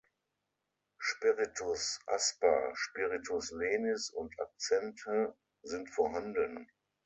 Spiritus asper, Spiritus lenis und Akzente sind vorhanden.